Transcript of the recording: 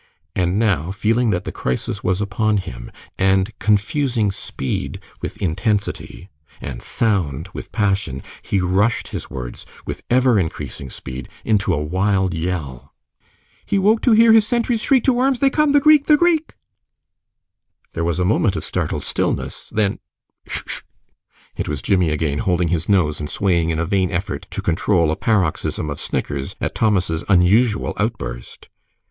And now, feeling that the crisis was upon him, and confusing speed with intensity, and sound with passion, he rushed his words, with ever increasing speed, into a wild yell. "He woke to hear his sentries shriek to arms they come the Greek THE GREEK!" There was a moment of startled stillness, then, "tchik! tchik!" It was Jimmie again, holding his nose and swaying in a vain effort to control a paroxysm of snickers at Thomas' unusual outburst.